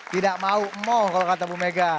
tidak mau moh kalau kata bu mega